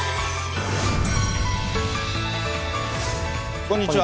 こんにちは。